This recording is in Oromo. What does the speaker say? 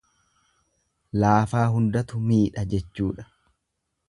Laafaa hundatu miidha jechuudha.